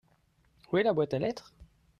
Où est la boîte à lettres ?